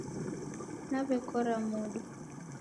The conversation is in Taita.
Nawekora modo